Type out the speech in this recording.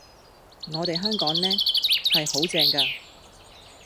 我哋香港呢，係好正㗎！